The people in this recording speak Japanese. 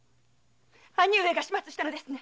兄上が始末したのですね！